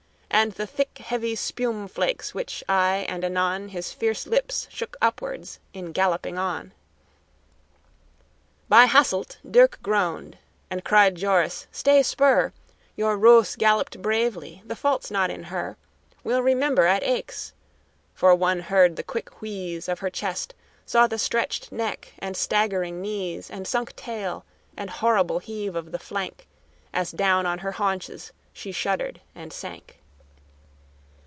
And the thick, heavy spume flakes which aye and anon His fierce lips shook upward in galloping on. By Hasselt, Dirck groaned; and cried Joris, "Stay spur! Your Roos galloped bravely, the fault's not in her, We'll remember at Aix" for one heard the quick wheeze Of her chest, saw the stretched neck and staggering knees, And sunk tail, and horrible heave of the flank, As down on her haunches she shuddered and sank.